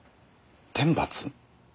天罰？